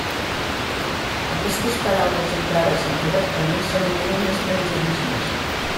Aquestes paraules emprades incorrectament s’anomenen estrangerismes.